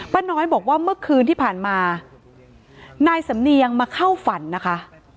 น้อยบอกว่าเมื่อคืนที่ผ่านมานายสำเนียงมาเข้าฝันนะคะ